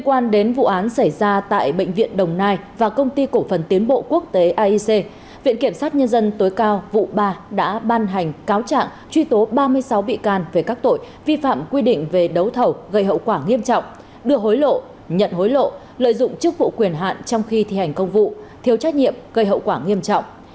khi đến vụ án xảy ra tại bệnh viện đồng nai và công ty cổ phần tiến bộ quốc tế aic viện kiểm sát nhân dân tối cao vụ ba đã ban hành cáo trạng truy tố ba mươi sáu bị can về các tội vi phạm quy định về đấu thẩu gây hậu quả nghiêm trọng đưa hối lộ nhận hối lộ lợi dụng chức vụ quyền hạn trong khi thi hành công vụ thiếu trách nhiệm gây hậu quả nghiêm trọng